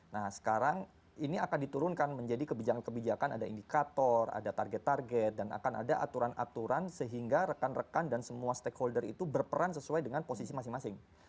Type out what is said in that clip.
nah sekarang ini akan diturunkan menjadi kebijakan kebijakan ada indikator ada target target dan akan ada aturan aturan sehingga rekan rekan dan semua stakeholder itu berperan sesuai dengan posisi masing masing